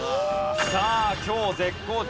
さあ今日絶好調